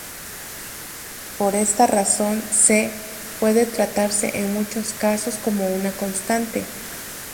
Por esta razón, "c" puede tratarse en muchos casos como una constante.